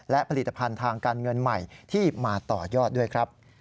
และผลิตภัณฑ์ทางการเงินใหม่ที่มาต่อยอดด้วยครับ